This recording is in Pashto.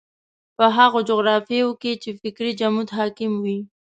په هغو جغرافیو کې چې فکري جمود حاکم وي.